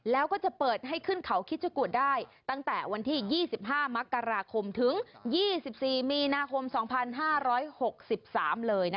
แล้วก็จะเปิดให้ขึ้นเขาคิชกุฎได้ตั้งแต่วันที่๒๕มกราคมถึง๒๔มีนาคม๒๕๖๓เลย